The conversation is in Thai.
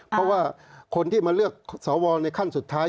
เพราะว่าคนที่มาเลือกสวในขั้นสุดท้าย